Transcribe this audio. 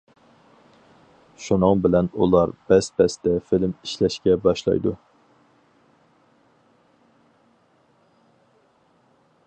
شۇنىڭ بىلەن ئۇلار بەس-بەستە فىلىم ئىشلەشكە باشلايدۇ.